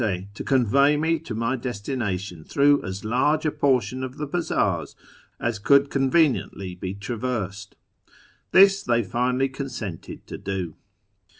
to convey me to my destination through as large a portion of the bazaars as could conveniently be traversed. This they finally consented to do.